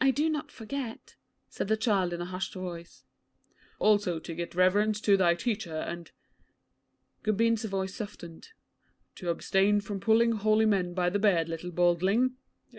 'I do not forget,' said the child in a hushed voice. 'Also to give reverence to thy teacher, and' Gobind's voice softened 'to abstain from pulling holy men by the beard, little badling.